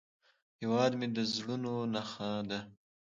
هیواد مې د زړونو نخښه ده